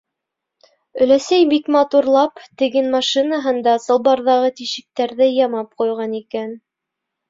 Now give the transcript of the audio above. Өләсәй бик матурлап теген машинаһында салбарҙағы тишектәрҙе ямап ҡуйған икән.